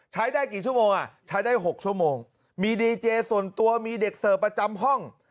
ใช้ได้กี่ชั่วโมงอ่ะใช้ได้๖ชั่วโมงมีดีเจส่วนตัวมีเด็กเสิร์ฟประจำห้อง